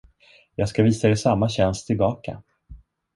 Jag skall visa er samma tjänst tillbaka.